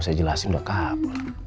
saya jelasin dulu kak